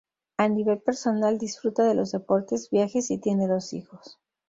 A nivel personal disfruta de los deportes, viajes y tiene dos hijos.